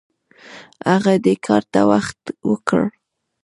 هغه دې کار ته وخت ورکړ.